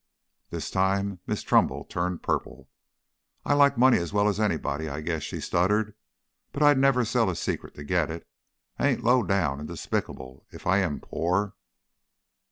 This time Miss Trumbull turned purple. "I like money as well as anybody, I guess," she stuttered; 'but I'd never sell a secret to get it. I ain't low down and despicable if I am poor."